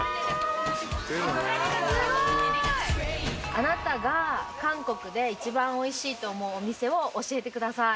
あなたが韓国で一番おいしいと思うお店を教えてください。